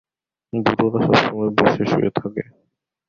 বুড়োরা সবসময় বসে শুয়ে থাকে।